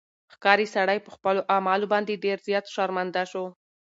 ښکاري سړی په خپلو اعمالو باندې ډېر زیات شرمنده شو.